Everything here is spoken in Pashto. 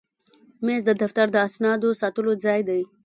مېز د دفتر د اسنادو ساتلو ځای دی.